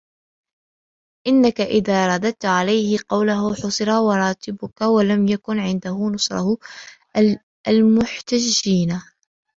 أَنَّك إذَا رَدَدْت عَلَيْهِ قَوْلَهُ حُصِرَ وَارْتَبَكَ وَلَمْ يَكُنْ عِنْدَهُ نُصْرَةُ الْمُحْتَجِّينَ